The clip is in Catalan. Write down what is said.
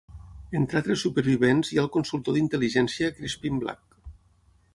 Entre altres supervivents hi ha el consultor d'intel·ligència Crispin Black.